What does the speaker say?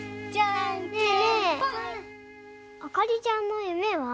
あかりちゃんの夢は？